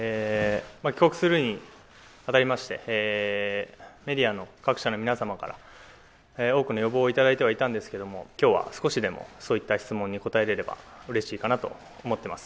帰国するにあたりまして、メディアの各社の皆様から多くの要望を頂いてはいたんですけれども、きょうは少しでも、そういった質問に答えれればうれしいかなと思っています。